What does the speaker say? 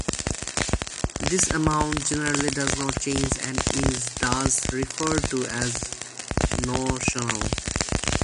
This amount generally does not change and is thus referred to as notional.